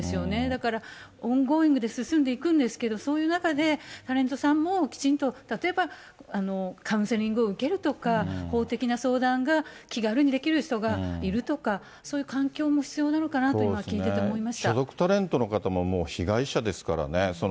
だから、オンゴーイングで進んでいくんですけれども、そういう中で、タレントさんもきちんと、例えばカウンセリングを受けるとか、法的な相談が気軽にできる人がいるとか、そういう環境も必要なのかなと今、そうですね、所属タレントの方ももう被害者ですからね。